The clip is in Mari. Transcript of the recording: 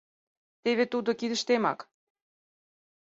Теве тудо, кидыштемак.